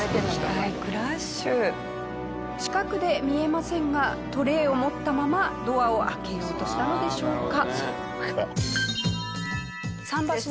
近くで見えませんがトレイを持ったままドアを開けようとしたのでしょうか？